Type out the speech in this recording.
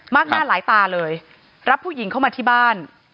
หน้าหลายตาเลยรับผู้หญิงเข้ามาที่บ้าน